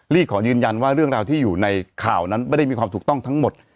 ขอยืนยันว่าเรื่องราวที่อยู่ในข่าวนั้นไม่ได้มีความถูกต้องทั้งหมด